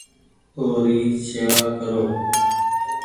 او ري شيوا ڪرو ۔